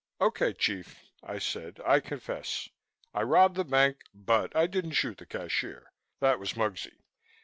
"Okay, chief," I said. "I confess. I robbed the bank but I didn't shoot the cashier. That was Muggsy.